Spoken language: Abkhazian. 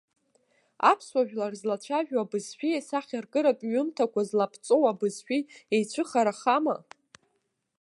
Аԥсуа жәлар злацәажәо абызшәеи асахьаркыратә ҩымҭақәа злаԥҵоу абызшәеи еицәыхарахама?